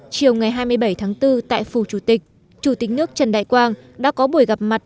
chiều ngày hai mươi bảy tháng bốn tại phủ chủ tịch chủ tịch nước trần đại quang đã có buổi gặp mặt